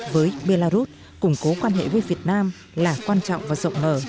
với belarus củng cố quan hệ với việt nam là quan trọng và rộng mở